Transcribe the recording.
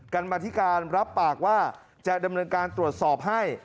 กรรมธิการรับปากว่าจะดำเนินการตรวจสอบให้